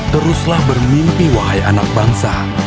teruslah bermimpi wahai anak bangsa